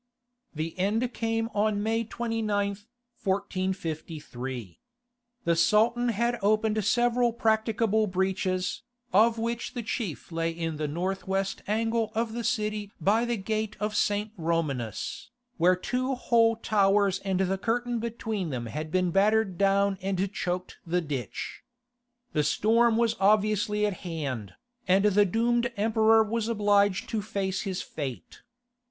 The end came on May 29, 1453. The Sultan had opened several practicable breaches, of which the chief lay in the north west angle of the city by the gate of St. Romanus, where two whole towers and the curtain between them had been battered down and choked the ditch. The storm was obviously at hand, and the doomed Emperor was obliged to face his fate.